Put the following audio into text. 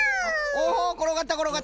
おおころがったころがった。